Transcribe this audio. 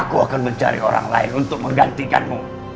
aku akan mencari orang lain untuk menggantikanmu